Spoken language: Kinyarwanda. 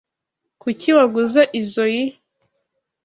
Kuki waguze izoi?